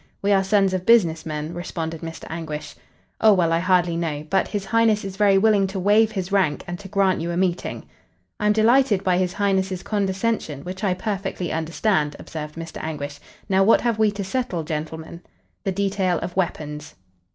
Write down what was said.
"We are sons of business men," responded Mr. Anguish. "Oh, well, I hardly know. But his Highness is very willing to waive his rank, and to grant you a meeting." "I'm delighted by his Highness' condescension, which I perfectly understand," observed Mr. Anguish. "Now, what have we to settle, gentlemen?" "The detail of weapons."